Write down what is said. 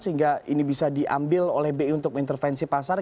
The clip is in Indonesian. sehingga ini bisa diambil oleh bi untuk intervensi pasar